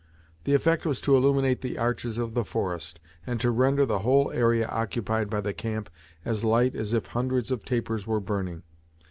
The effect was to illuminate the arches of the forest, and to render the whole area occupied by the camp as light as if hundreds of tapers were burning.